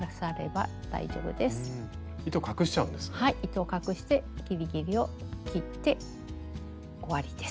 糸を隠してギリギリを切って終わりです。